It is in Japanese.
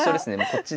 こっち